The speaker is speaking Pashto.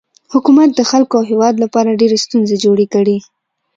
حکومت د خلکو او هیواد لپاره ډیرې ستونزې جوړې کړي.